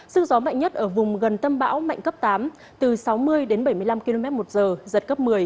sức gió mạnh nhất ở vùng gần tâm bão mạnh cấp tám từ sáu mươi đến bảy mươi năm km một giờ giật cấp một mươi